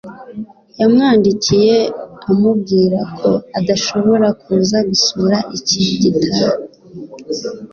yamwandikiye amubwira ko adashobora kuza gusura icyi gitaha